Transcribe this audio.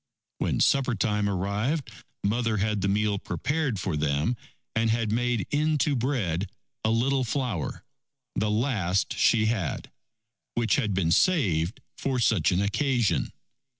When supper time arrived, Mother had the meal prepared for them, and had made into bread a little flour, the last she had, which had been saved for such an occasion.